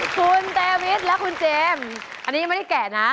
คุณเจวิทและคุณเจมส์อันนี้ยังไม่ได้แก่นะ